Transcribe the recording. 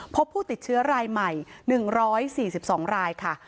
พบผู้ติดเชื้อรายใหม่หนึ่งร้อยสี่สิบสองรายค่ะ